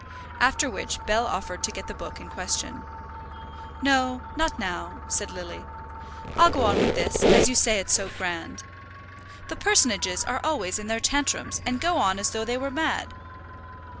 After which Bell offered to get the book in question. "No, not now," said Lily. "I'll go on with this, as you say it's so grand. The personages are always in their tantrums, and go on as though they were mad.